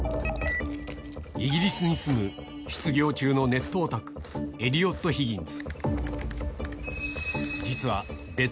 イギリスに住む、失業中のネットおたく、エリオット・ヒギンズ。